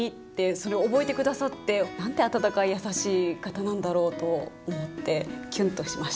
それ覚えて下さって。なんて温かい優しい方なんだろうと思ってキュンとしました。